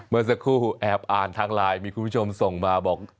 เมื่อสักครู่แอบอ่านทางไลน์มีคุณผู้ชมส่งมาบอก